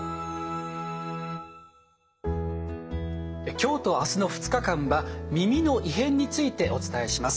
今日と明日の２日間は耳の異変についてお伝えします。